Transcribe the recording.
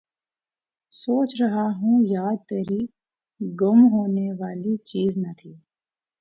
سوچ رہا ہوں یاد تیری، گم ہونے والی چیز نہ تھی